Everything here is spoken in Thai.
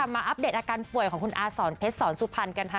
อัปเดตอาการป่วยของคุณอาสอนเพชรสอนสุพรรณกันค่ะ